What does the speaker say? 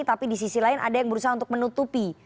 tapi di sisi lain ada yang berusaha untuk menutupi